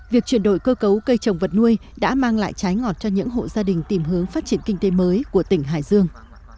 việc chuyển đổi cơ cấu cây trồng vật nuôi đã mang lại trái ngọt cho những hộ gia đình tìm hướng phát triển kinh tế mới của tỉnh hải dương